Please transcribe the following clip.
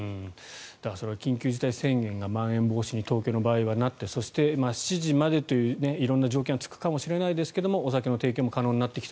それは緊急事態宣言がまん延防止措置に東京の場合はなってそして、７時までという色んな条件はつくかもしれませんがお酒の提供も可能になってきた。